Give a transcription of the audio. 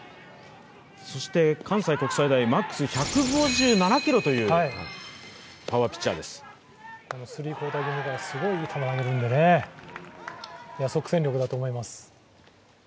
そして関西国際大、ＭＡＸ１５７キロというスリークオーター気味にすごいいい球を投げるので即戦力だと思います。